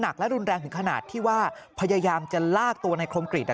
รุนแรงถึงขนาดที่ว่าพยายามจะลากตัวในคมกริจ